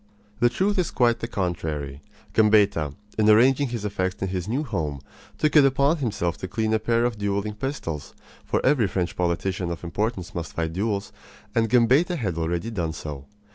The truth is quite the contrary. Gambetta, in arranging his effects in his new home, took it upon himself to clean a pair of dueling pistols; for every French politician of importance must fight duels, and Gambetta had already done so.